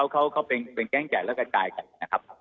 เขาเป็นแก๊งใหญ่แล้วกระจายกันนะครับ